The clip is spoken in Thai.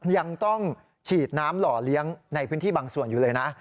ยังต้องฉีดน้ำหล่อเลี้ยงในพื้นที่บางส่วนอยู่เลยนะ